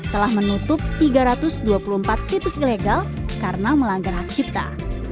telah menutup tiga ratus dua puluh empat situs ilegal karena melanggar hak cipta